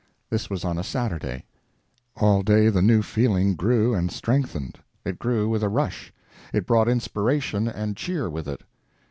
This was on a Saturday. All day the new feeling grew and strengthened; it grew with a rush; it brought inspiration and cheer with it.